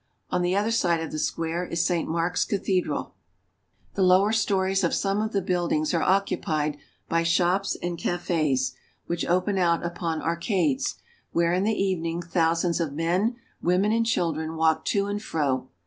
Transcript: On the other side of the square is Saint Mark's cathedral. Saint Mark's. The lower stories of some of the buildings are occupied by shops and cafes, which open out upon arcades, where in the evening thousands of men, women, and children walk to and fro.